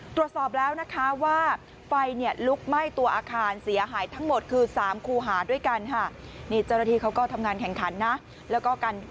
ตรวจสอบแล้วนะคะว่าไฟเนี่ยลุกไหม้ตัวอาคารเสียหายทั้งหมดคือ๓คูหาด้วยกันค่ะ